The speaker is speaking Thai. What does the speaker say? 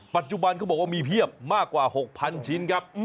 ปัจจุบันเขาบอกว่ามีเพียบมากกว่า๖๐๐ชิ้นครับ